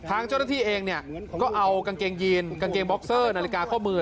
ทางเจ้าหน้าที่เองเนี่ยก็เอากางเกงยีนกางเกงบ็อกเซอร์นาฬิกาข้อมือ